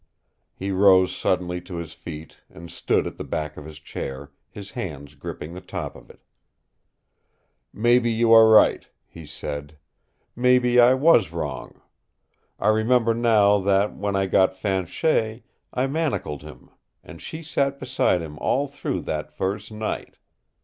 He rose suddenly to his feet and stood at the back of his chair, his hands gripping the top of it. "Maybe you are right," he said. "Maybe I was wrong. I remember now that when I got Fanchet I manacled him, and she sat beside him all through that first night.